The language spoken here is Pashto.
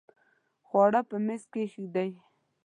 خواړه په میز کښېږدئ